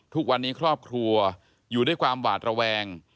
ทุกวันนี้ครอบครัวอยู่ด้วยความหวาดระแวง